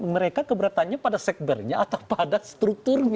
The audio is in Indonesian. mereka keberatannya pada sekbernya atau pada strukturnya